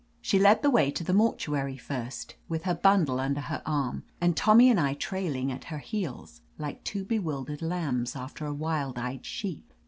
She led the way to the mortuary first, with her bundle under her arm, and Tommy and I trailing at her heels, like two bewildered lambs after a wild eyed sheep.